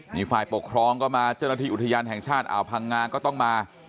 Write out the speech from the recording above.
นี่ฝ่ายปกครองก็มาเจ้าหน้าที่อุทยานแห่งชาติอ่าวพังงาก็ต้องมา